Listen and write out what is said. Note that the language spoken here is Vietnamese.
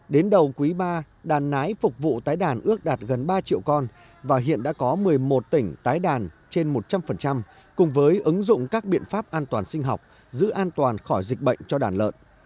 đến đầu quý ba đàn nái phục vụ tái đàn ước đạt gần ba triệu con và hiện đã có một mươi một tỉnh tái đàn trên một trăm linh cùng với ứng dụng các biện pháp an toàn sinh học giữ an toàn khỏi dịch bệnh cho đàn lợn